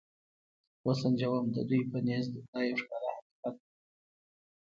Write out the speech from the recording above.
و سنجوم، د دوی په نزد دا یو ښکاره حقیقت و.